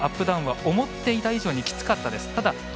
ダウンは思った以上にきつかったです。